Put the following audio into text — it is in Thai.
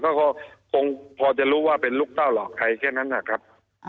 ก็คงพอจะรู้ว่าเป็นลูกเต้าหลอกใครแค่นั้นนะครับ